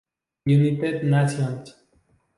United Nations